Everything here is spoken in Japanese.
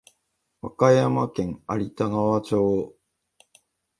和歌山県有田川町